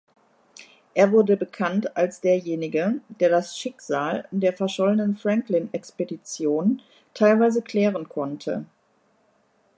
Er wurde bekannt als derjenige, der das Schicksal der verschollenen Franklin-Expedition teilweise klären konnte.